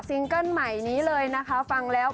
เกิ้ลใหม่นี้เลยนะคะฟังแล้ว